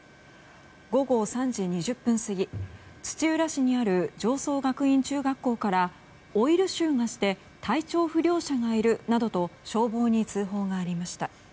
午後３時２０分過ぎ土浦市にある常総学院中学校からオイル臭がして体調不良者がいるなどと消防に通報がありました。